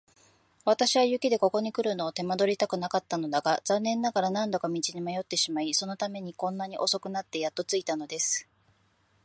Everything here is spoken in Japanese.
私は雪でここにくるのを手間取りたくなかったのだが、残念ながら何度か道に迷ってしまい、そのためにこんなに遅くなってやっと着いたのです。